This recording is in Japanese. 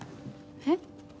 えっ？